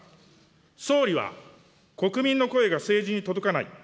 総理は国民の声が政治に届かない。